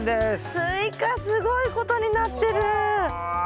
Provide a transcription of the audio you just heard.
スイカすごいことになってる！うわ。